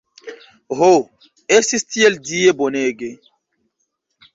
Ho, estis tiel Die bonege!